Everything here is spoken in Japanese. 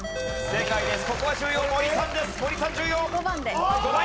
正解です。